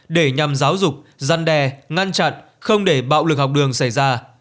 để nhằm giáo dục gian đe ngăn chặn không để bạo lực học đường xảy ra